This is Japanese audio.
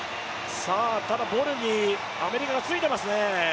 ただボルにアメリカがついていますね。